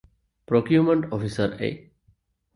ޕްރޮކިއުމަންޓް އޮފިސަރ އެއް